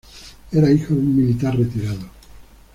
Era hijo de un militar retirado.